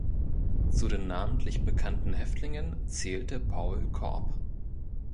Zu den namentlich bekannten Häftlingen zählte Paul Korb.